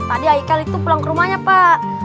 tadi aikal itu pulang ke rumahnya pak